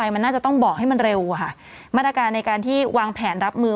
มาตรการในการที่วางแผนรับมือ